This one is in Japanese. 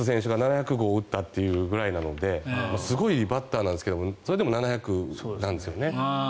７００号を打ったというぐらいなのですごいバッターなんですがそれでも７００なんですよね。